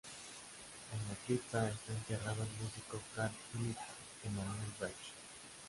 En la cripta está enterrado el músico Carl Philipp Emanuel Bach.